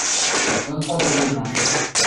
Vingt-trois tables blanches.